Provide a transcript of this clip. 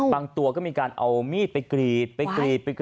บางตัวก็มีการเอามีดไปกรีด